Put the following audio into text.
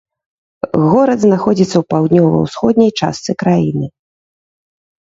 Горад знаходзіцца ў паўднёва-ўсходняй частцы краіны.